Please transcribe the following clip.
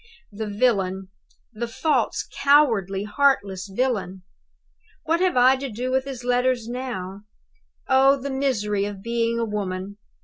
"The villain the false, cowardly, heartless villain what have I to do with his letters now? Oh, the misery of being a woman!